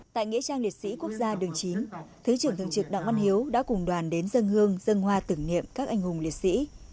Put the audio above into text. tại nghĩa trang liệt sĩ quốc gia đường chín thứ trưởng thường trực đặng văn hiếu đã cùng đoàn đến dân hương dân hoa tưởng niệm các anh hùng liệt sĩ